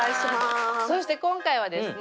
そして今回はですね